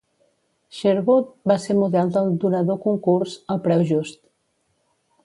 Sherwood va ser model del durador concurs "El preu just".